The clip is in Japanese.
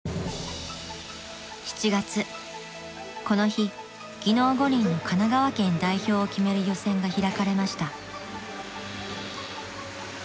［この日技能五輪の神奈川県代表を決める予選が開かれました］